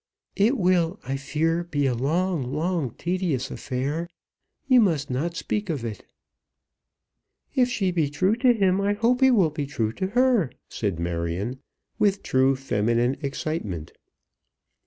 "It will, I fear, be a long, long, tedious affair. You must not speak of it." "If she be true to him, I hope he will be true to her," said Marion, with true feminine excitement.